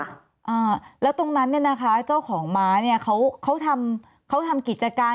อ่าแล้วตรงนั้นเนี่ยนะคะเจ้าของม้าเนี้ยเขาเขาทำเขาทำกิจการ